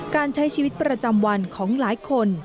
การใช้ชีวิตประจำวันของหลายคน